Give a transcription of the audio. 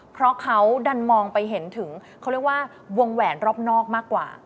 เพราะเขาดันมองไปเห็นถึงเขาเรียกว่าวงแหวนรอบนอกมากกว่า